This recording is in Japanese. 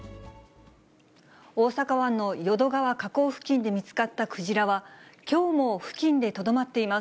大阪湾の淀川河口付近で見つかったクジラは、きょうも付近でとどまっています。